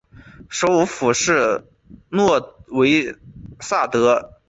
首府是诺维萨德。